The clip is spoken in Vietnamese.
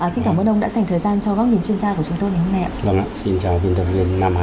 xin cảm ơn ông đã dành thời gian cho góc nhìn chuyên gia của chúng tôi ngày hôm nay